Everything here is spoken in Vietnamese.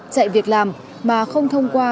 chạy việc làm mà không thông qua